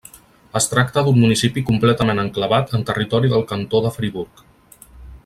Es tracta d'un municipi completament enclavat en territori del cantó de Friburg.